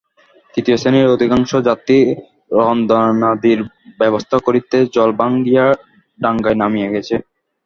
তৃতীয় শ্রেণীর অধিকাংশ যাত্রী রন্ধনাদির ব্যবস্থা করিতে জল ভাঙিয়া ডাঙায় নামিয়া গেছে।